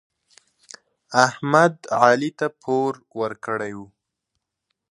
احمد علي ته پور ورکړی و.